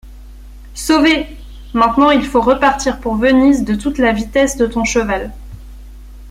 Sauvé! — Maintenant il faut repartir pour Venise de toute la vitesse de ton cheval.